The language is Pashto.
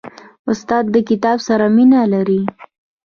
استاد د کتاب سره مینه لري.